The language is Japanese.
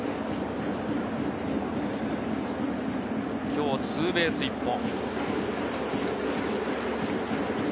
今日ツーベース１本。